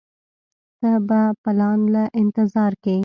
ته به پلان له انتظار کيې.